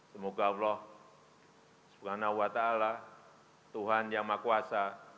semoga allah subhanahu wa ta ala tuhan yang maha kuasa